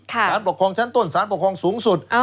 สารปกครองชั้นต้นสารปกครองสูงสุด